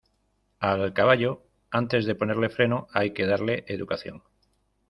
Al caballo, antes de ponerle freno, hay que darle educación.